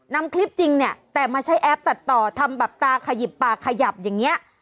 นำคลิปจริงเนี่ยแต่มาใช้แอปตัดต่อทำแบบตาขยิบปากขยับอย่างนี้